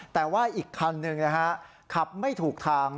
แต่ว่าอีกคันหนึ่งนะฮะขับไม่ถูกทาง